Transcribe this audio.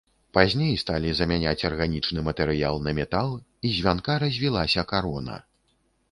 Пазней сталі замяняць арганічны матэрыял на метал, і з вянка развілася карона.